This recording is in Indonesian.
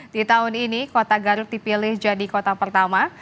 di tahun ini kota garut dipilih jadi kota pertama